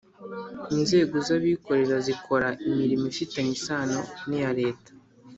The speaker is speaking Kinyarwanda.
Inzego z abikorera zikora imirimo ifitanye isano niya leta